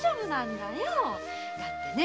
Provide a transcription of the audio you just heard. だってね